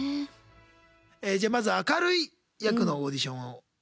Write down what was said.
じゃまず明るい役のオーディションを。